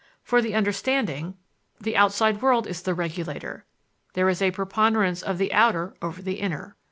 For the understanding, the outside world is the regulator; there is a preponderance of the outer over the inner.